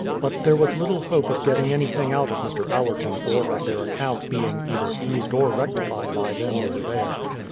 But there was little hope of getting anything out of Mr. Allerton or of their accounts being either eased or rectified by them over there.